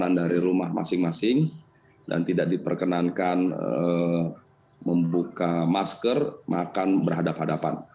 datang dari rumah masing masing dan tidak diperkenankan membuka masker makan berhadapan hadapan